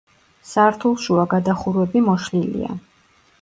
სართულშუა გადახურვები მოშლილია.